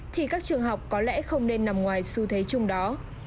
thì các trường học có lẽ không nên nằm ngoài xu thế chung đó